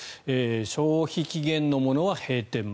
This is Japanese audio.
消費期限のものは閉店前。